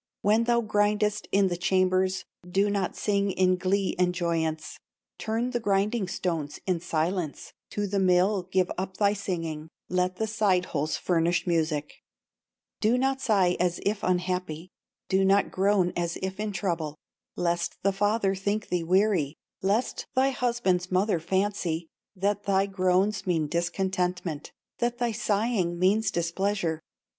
When thou grindest in the chambers, Do not sing in glee and joyance, Turn the grinding stones in silence, To the mill give up thy singing, Let the side holes furnish music; Do not sigh as if unhappy, Do not groan as if in trouble, Lest the father think thee weary, Lest thy husband's mother fancy That thy groans mean discontentment, That thy sighing means displeasure.